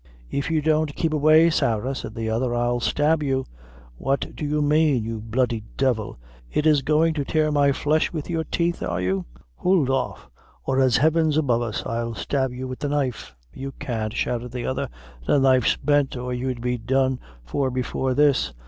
"If you don't keep away, Sarah," said the other, "I'll stab you. What do you mane, you bloody devil? It is going to tear my flesh with your teeth you are? Hould off! or, as heaven's above us, I'll stab you with the knife." "You can't," shouted the other; "the knife's bent, or you'd be done for before this.